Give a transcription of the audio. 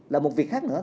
là một việc khác nữa